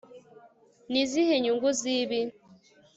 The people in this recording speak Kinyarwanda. Ni izihe nyungu zibi